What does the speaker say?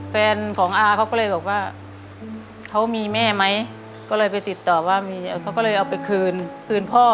แฟนของอาเขาก็เลยบอกว่าเขามีแม่ไหมก็เลยไปติดต่อว่ามีเขาก็เลยเอาไปคืนคืนพ่อ